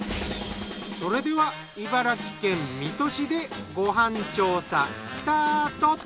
それでは茨城県水戸市でご飯調査スタート！